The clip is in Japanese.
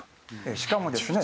しかもですね